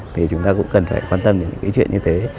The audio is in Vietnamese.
thì chúng ta cũng cần phải quan tâm đến cái chuyện như thế